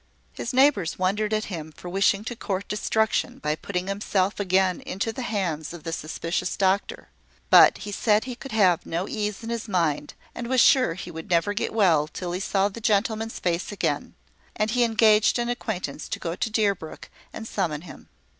His neighbours wondered at him for wishing to court destruction by putting himself again into the hands of the suspicious doctor: but he said he could have no ease in his mind, and was sure he should never get well till he saw the gentleman's face again; and he engaged an acquaintance to go to Deerbrook and summon him.